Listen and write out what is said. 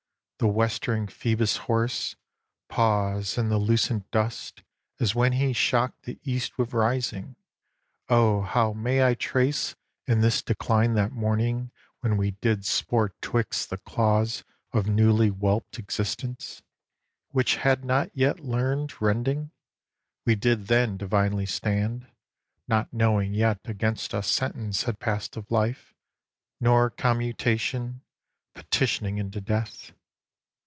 The westering Phoebus' horse Paws i' the lucent dust as when he shocked The East with rising; O how may I trace In this decline that morning when we did Sport 'twixt the claws of newly whelped existence, Which had not yet learned rending? we did then Divinely stand, not knowing yet against us Sentence had passed of life, nor commutation Petitioning into death.